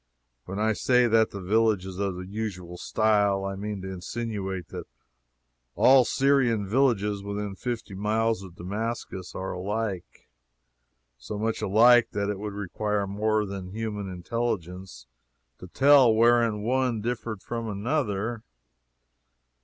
When I say that that village is of the usual style, I mean to insinuate that all Syrian villages within fifty miles of Damascus are alike so much alike that it would require more than human intelligence to tell wherein one differed from another.